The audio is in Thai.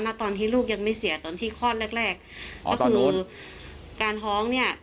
ตอนที่ลูกยังไม่เสียตอนที่คลอดแรกแรกก็คือการท้องเนี่ย